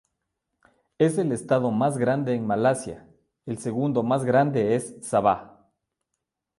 Es el estado más grande en Malasia; el segundo más grande es Sabah.